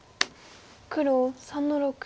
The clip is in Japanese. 黒３の六。